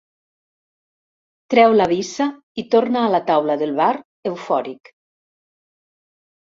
Treu la visa i torna a la taula del bar, eufòric.